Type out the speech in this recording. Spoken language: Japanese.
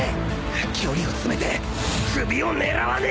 距離を詰めて首を狙わねえと！